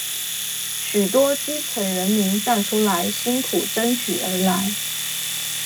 許多基層人民站出來辛苦爭取而來